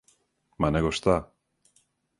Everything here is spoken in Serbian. Ма него шта!